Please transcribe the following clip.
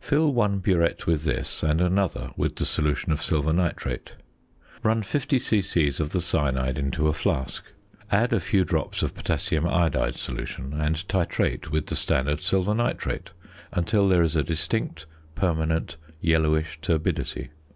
Fill one burette with this and another with the solution of silver nitrate. Run 50 c.c. of the cyanide into a flask; add a few drops of potassium iodide solution and titrate with the standard silver nitrate until there is a distinct permanent yellowish turbidity.